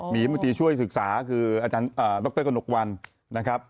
มีมนตรีช่วยศึกษาคืออาจารย์ดรกระหนกวันนะครับ